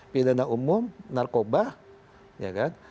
pidana umum narkoba ya kan